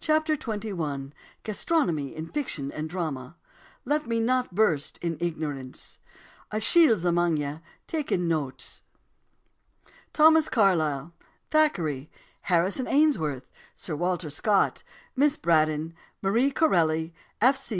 CHAPTER XXI GASTRONOMY IN FICTION AND DRAMA "Let me not burst in ignorance." "A chiel's amang ye, taking notes." Thomas Carlyle Thackeray Harrison Ainsworth Sir Walter Scott Miss Braddon Marie Corelli F. C.